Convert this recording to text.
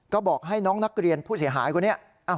ก็บอกให้น้องนักเรียนผู้เสียหายคนนี้